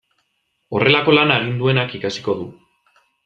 Horrelako lana egin duenak ikasiko du.